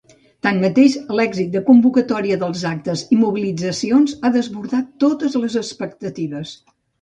Tanmateix, l’èxit de convocatòria dels actes i mobilitzacions ha desbordat totes les expectatives.